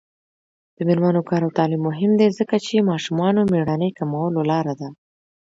د میرمنو کار او تعلیم مهم دی ځکه چې ماشومانو مړینې کمولو لاره ده.